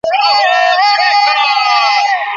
যাও, যাও, যাও, যাও।